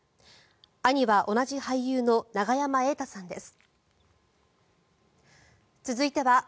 兄は同じ俳優の永山瑛太さんです。